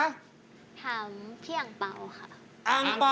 กับพอรู้ดวงชะตาของเขาแล้วนะครับ